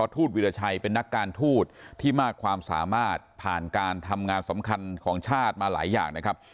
ทูตวิราชัยเป็นนักการทูตที่มากความสามารถผ่านการทำงานสำคัญของชาติมาหลายอย่างนะครับ